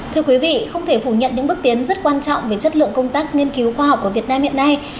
thưa quý vị không thể phủ nhận những bước tiến rất quan trọng về chất lượng công tác nghiên cứu khoa học của việt nam hiện nay